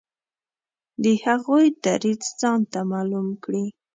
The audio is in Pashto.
د هغوی دریځ ځانته معلوم کړي.